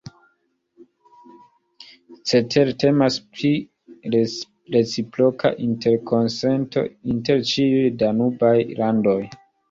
Cetere, temas pri reciproka interkonsento inter ĉiuj danubaj landoj.